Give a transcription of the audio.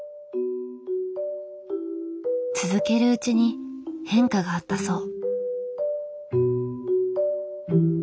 続けるうちに変化があったそう。